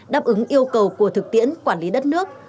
đáp ứng yêu cầu của thực tiễn quản lý đất nước